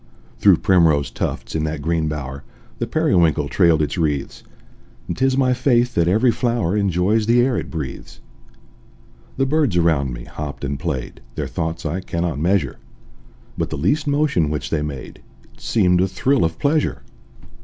Through primrose tufts, in that green bower, The periwinkle trailed its wreaths; And 'tis my faith that every flower Enjoys the air it breathes. The birds around me hopped and played, Their thoughts I cannot measure: But the least motion which they made It seemed a thrill of pleasure.